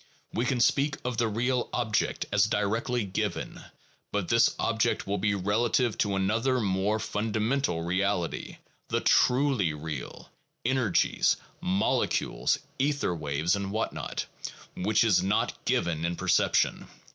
We can speak of the real object as directly given, but this object will be relative to another more fundamental reality, the truly real, — energies, molecules, ether waves, or what not, — which is not given in perception.